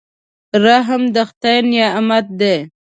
رحم د خدای نعمت دی.